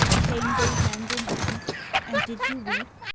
came they hand in hand, and did you weep?